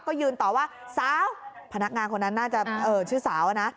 ก็ยืนต่อว่าสาวพนักงานคนนั้นน่าจะชื่อสาวนะ